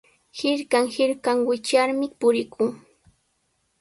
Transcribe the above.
Hirkan hirkan wichyarmi purikuu.